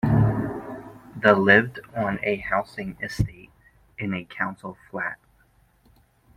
The lived on a housing estate, in a council flat